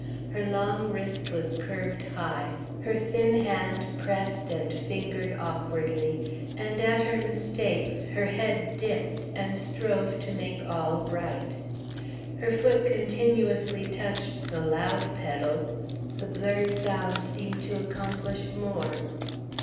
Her long wrist was curved high, her thin hand pressed and fingered awkwardly, and at her mistakes her head dipped and strove to make all right. Her foot continuously touched the loud pedal the blurred sound seemed to accomplish more.